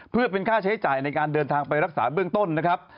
เพื่อเป็นค่าใช้จ่ายในการเดินทางไปรักษาเบื้องต้นนะครับ